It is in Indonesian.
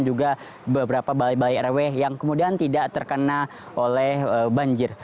juga beberapa balai balai rw yang kemudian tidak terkena oleh banjir